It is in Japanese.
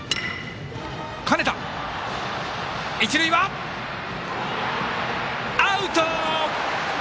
一塁はアウト！